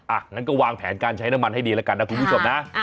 งั้นก็วางแผนการใช้น้ำมันให้ดีแล้วกันนะคุณผู้ชมนะ